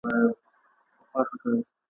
که تاریخ وي نو اصل نه هیریږي.